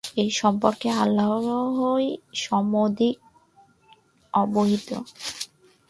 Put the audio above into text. এ সম্পর্কে আল্লাহই সমধিক অবহিত।